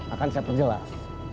akan saya perjelas